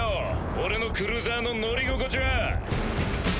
俺のクルーザーの乗り心地は。